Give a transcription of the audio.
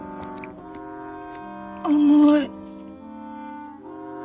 甘い。